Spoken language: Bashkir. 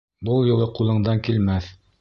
Был юлы ҡулыңдан килмәҫ.